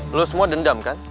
lu semua dendam kan